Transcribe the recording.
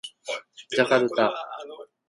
ジャカルタ